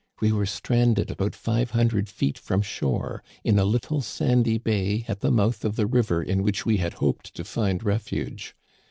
We were stranded about five hundred feet from shore, in a little sandy bay at the mouth of the river in which we had hoped to find refuge.